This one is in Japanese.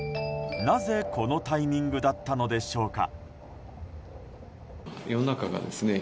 なぜ、このタイミングだったのでしょうか。